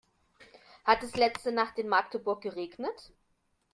Hat es letzte Nacht in Magdeburg geregnet?